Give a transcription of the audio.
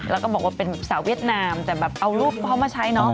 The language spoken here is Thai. แล้วก็บอกว่าเป็นสาวเวียดนามแต่แบบเอารูปเขามาใช้เนาะ